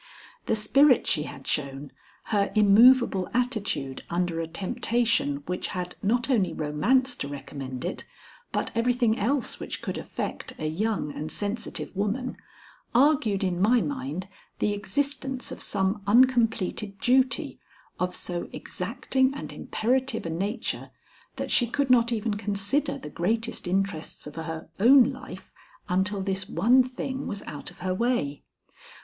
The spirit she had shown, her immovable attitude under a temptation which had not only romance to recommend it, but everything else which could affect a young and sensitive woman, argued in my mind the existence of some uncompleted duty of so exacting and imperative a nature that she could not even consider the greatest interests of her own life until this one thing was out of her way.